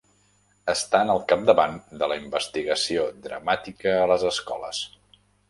Estan al capdavant de la investigació dramàtica a les escoles.